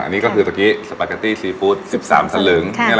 นี่ก็คือตะกี้สปาเกตตี้ซีฟู้ด๑๓สลึง